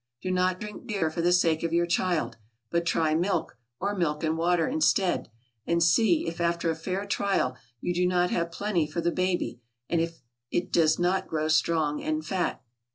Do not drink beer for the sake of your child, but try milk, or milk and water instead, and see if after a fair trial you do not have plenty for the baby, and if it does not grow strong and fat.